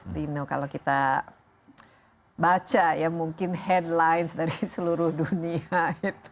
dino kalau kita baca ya mungkin headlines dari seluruh dunia